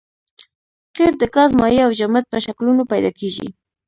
قیر د ګاز مایع او جامد په شکلونو پیدا کیږي